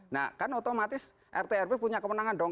nah kan otomatis rtw punya kemenangan dong